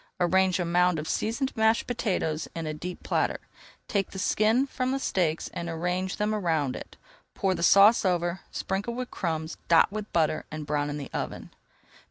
Arrange a mound of seasoned mashed potatoes in a deep platter. Take the skin from the steaks and arrange them around it. Pour the sauce over, sprinkle with crumbs, dot with butter, and brown in the oven.